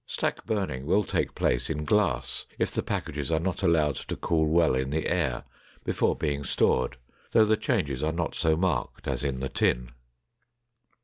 Stack burning will take place in glass if the packages are not allowed to cool well in the air before being stored, though the changes are not so marked as in the tin.